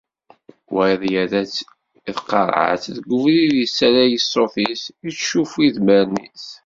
Wayeḍ yerra-tt i tqerεet, deg ubrid yessalay ṣṣut-is, ittcuffu idmaren-is.